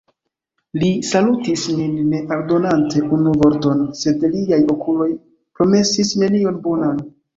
Li salutis nin ne aldonante unu vorton, sed liaj okuloj promesis nenion bonan.